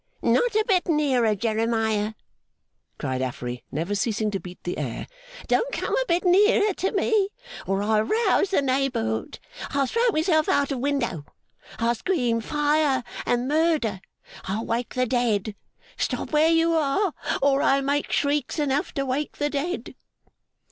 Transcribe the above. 'Not a bit nearer, Jeremiah!' cried Affery, never ceasing to beat the air. 'Don't come a bit nearer to me, or I'll rouse the neighbourhood! I'll throw myself out of window. I'll scream Fire and Murder! I'll wake the dead! Stop where you are, or I'll make shrieks enough to wake the dead!